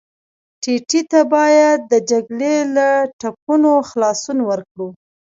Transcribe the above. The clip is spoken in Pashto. ټپي ته باید د جګړې له ټپونو خلاصون ورکړو.